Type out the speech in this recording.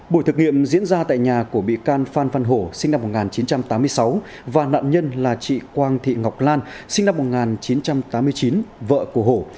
buổi thực nghiệm diễn ra tại nhà của bị can phan văn hổ sinh năm một nghìn chín trăm tám mươi sáu và nạn nhân là chị quang thị ngọc lan sinh năm một nghìn chín trăm tám mươi chín vợ của hổ